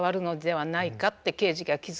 はい。